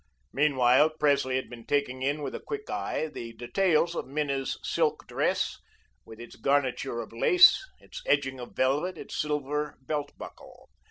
Meanwhile, Presley had been taking in with a quick eye the details of Minna's silk dress, with its garniture of lace, its edging of velvet, its silver belt buckle.